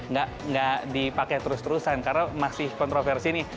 nggak dipakai terus terusan karena masih kontroversi nih